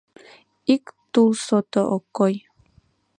Ик тул сото ок кой.